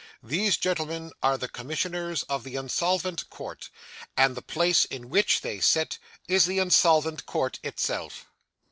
These gentlemen are the Commissioners of the Insolvent Court, and the place in which they sit, is the Insolvent Court itself.